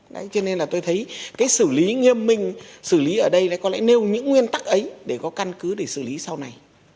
đấy cho nên là tôi thấy cái xử lý nghiêm minh xử lý ở đây có lẽ nêu những nguyên tắc ấy để có căn cứ để xử lý sau này